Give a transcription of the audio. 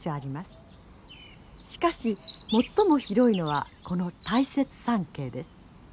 しかし最も広いのはこの大雪山系です。